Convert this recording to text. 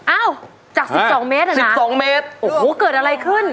อ้าวจาก๑๒เมตรอ่ะนะ๑๒เมตรโอ้โหเกิดอะไรขึ้น